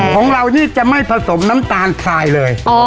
ของเรานี่จะไม่ผสมน้ำตาลทรายเลย